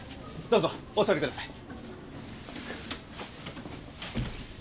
どうぞお座りください。